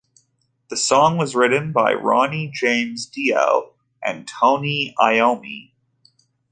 The song was written by Ronnie James Dio and Tony Iommi.